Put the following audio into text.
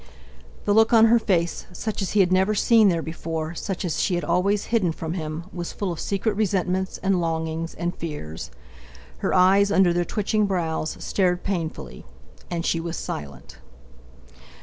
The look on her face, such as he had never seen there before, such as she had always hidden from him, was full of secret resentments, and longings, and fears. Her eyes, under their twitching brows, stared painfully. And she was silent.